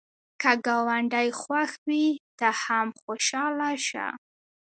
که ګاونډی خوښ وي، ته هم خوشحاله شه